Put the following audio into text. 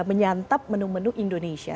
menyantap menu menu indonesia